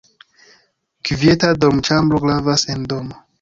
Kvieta dormoĉambro gravas en domo.